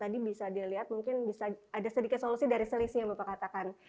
tadi bisa dilihat mungkin bisa ada sedikit solusi dari selisih yang bapak katakan